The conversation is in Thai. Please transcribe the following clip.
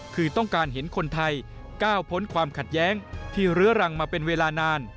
คือต้องการเห็นคนไทยก้าวพ้นความขัดแย้งที่เรื้อรังมาเป็นเวลานาน